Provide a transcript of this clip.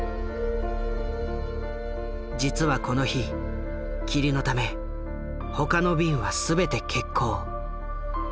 実はこの日霧のため他の便は全て欠航。